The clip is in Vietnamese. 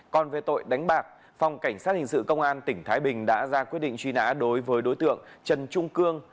còn về tội đánh bạc phòng cảnh sát hình sự công an tỉnh thái bình đã ra quyết định truy nã đối với đối tượng trần trung cương